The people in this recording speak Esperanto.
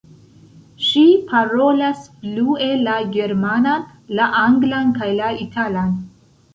Ŝi parolas flue la germanan, la anglan kaj la italan.